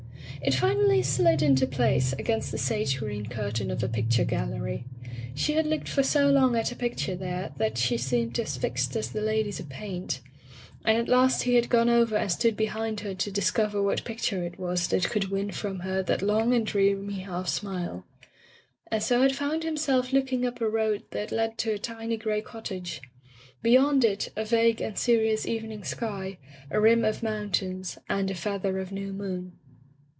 It finally slid into place, against the sage green curtain of a picture gallery. She had looked for so long at a picture there that she seemed as fixed as the ladies of paint, and at last he had gone over and stood behind her to dis cover what picture it was that could win from her that long and dreamy half smile, and so had found himself looking up a road that led to a tiny gray cottage; beyond it, a vague and serious evening sky, a rim of mountains, and a feather of new moon.